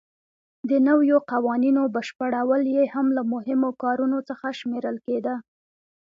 د نویو قوانینو بشپړول یې هم له مهمو کارونو څخه شمېرل کېده.